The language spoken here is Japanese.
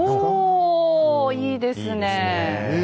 おおいいですねえ。